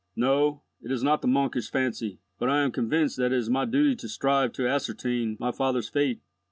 "No, it is not the monkish fancy, but I am convinced that it is my duty to strive to ascertain my father's fate.